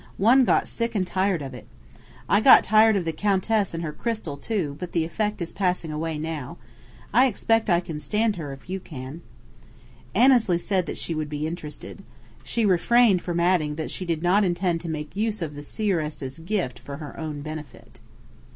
One got sick and tired of it. I got tired of the Countess and her crystal, too: but the effect is passing away now. I expect I can stand her if you can." Annesley said that she would be interested. She refrained from adding that she did not intend to make use of the seeress's gift for her own benefit.